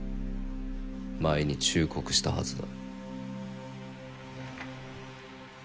前に忠告したはずだ。